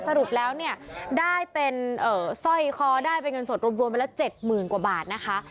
สรุปแล้วเนี่ยได้เป็นสร้อยคอได้เป็นเงินสดรวมไปแล้ว๗๐๐กว่าบาทนะคะ